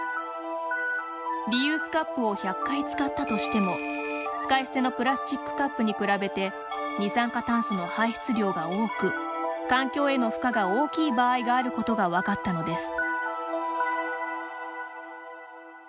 リユースカップを１００回使ったとしても使い捨てのプラスチックカップに比べて二酸化炭素の排出量が多く環境への負荷が大きい場合があることが分かったのです。